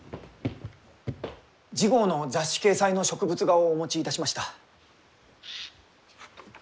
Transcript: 次号の雑誌掲載の植物画をお持ちいたしました。